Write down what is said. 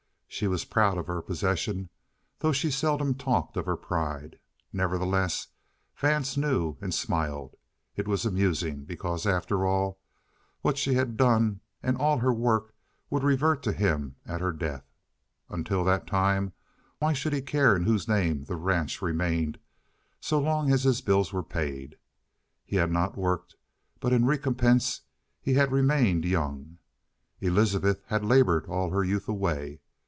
She was proud of her possession, though she seldom talked of her pride. Nevertheless, Vance knew, and smiled. It was amusing, because, after all, what she had done, and all her work, would revert to him at her death. Until that time, why should he care in whose name the ranch remained so long as his bills were paid? He had not worked, but in recompense he had remained young. Elizabeth had labored all her youth away.